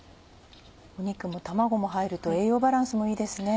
肉も卵も入ると栄養バランスもいいですね。